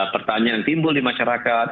pertanyaan timbul di masyarakat